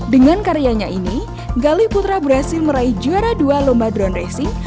dengan karyanya ini galih putra berhasil meraih juara dua lomba drone racing